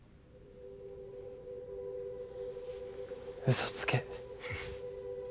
嘘つけ。